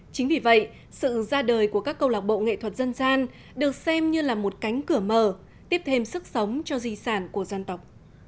chính vì vậy sự ra đời của các câu lạc bộ nghệ thuật dân gian được xem như là một cánh cửa mở tiếp thêm sức sống cho di sản của dân tộc